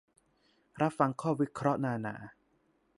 "รับฟังข้อวิเคราะห์นานา"